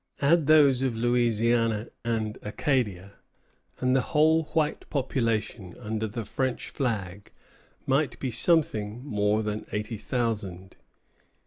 Add those of Louisiana and Acadia, and the whole white population under the French flag might be something more than eighty thousand.